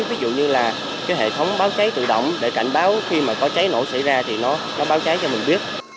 ví dụ như là cái hệ thống báo cháy tự động để cảnh báo khi mà có cháy nổ xảy ra thì nó báo cháy cho mình biết